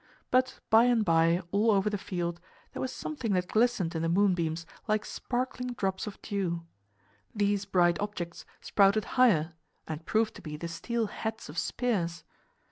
But by and by, all over the field, there was something that glistened in the moonbeams like sparkling drops of dew. These bright objects sprouted higher and proved to be the steel heads of spears.